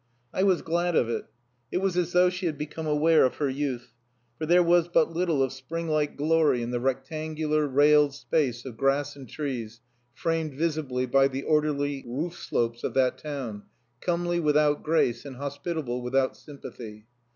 I was glad of it. It was as though she had become aware of her youth for there was but little of spring like glory in the rectangular railed space of grass and trees, framed visibly by the orderly roof slopes of that town, comely without grace, and hospitable without sympathy.